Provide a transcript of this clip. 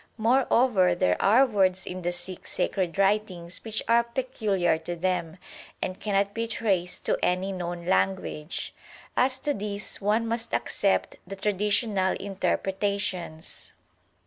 Moreover, there are words in the Sikh sacred writings which are peculiar to them, and cannot be traced to any known language. As to these one must accept the traditional inter pretations.